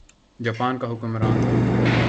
Japan کا حکمران تھا۔